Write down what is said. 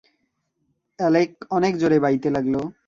Alec অনেক জোরে বাইতে লাগল।